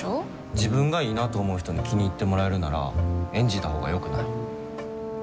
自分がいいなと思う人に気に入ってもらえるなら演じたほうがよくない？